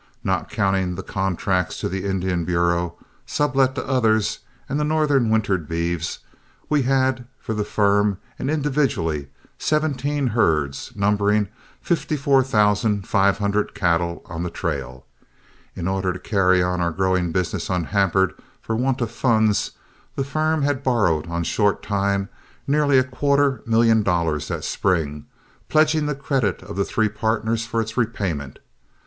Not counting the contracts to the Indian Bureau, sublet to others, and the northern wintered beeves, we had, for the firm and individually, seventeen herds, numbering fifty four thousand five hundred cattle on the trail. In order to carry on our growing business unhampered for want of funds, the firm had borrowed on short time nearly a quarter million dollars that spring, pledging the credit of the three partners for its repayment.